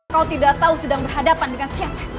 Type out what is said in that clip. kau tidak tahu sedang berhadapan dengan siapa